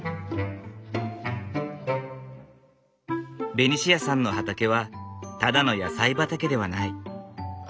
ベニシアさんの畑はただの野菜畑ではない。